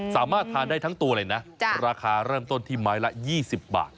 สามารถทานได้ทั้งตัวเลยนะราคาเริ่มต้นที่ไม้ละ๒๐บาท